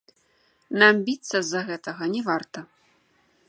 Нам біцца з-за гэтага не варта.